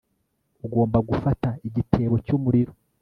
Ugomba gufata igitebo cyumuriro